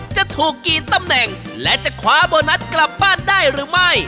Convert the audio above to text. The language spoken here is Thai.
จะถูกกี่ตำแหน่งและจะคว้าโบนัสกลับบ้านได้หรือไม่